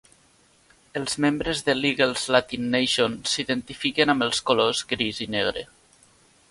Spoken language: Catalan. Els membres de l'Eagles Latin Nation s'identifiquen amb els colors gris i negre.